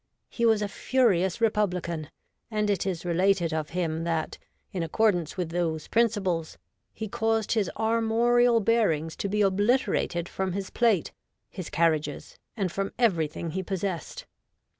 He was a furious Republican, and it is related of him that. 90 REVOLTED WOMAN. in accordance with those principles, he caused his armorial bearings to be obliterated from his plate, his carriages, and from everything he possessed.